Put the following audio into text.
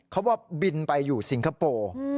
เขาว่าบินไปอยู่สิงคโปร์